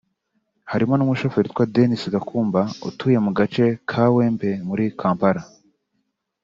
harimo n’umushoferi witwa Denis Gakumba utuye mu gace ka Kawempe muri Kampala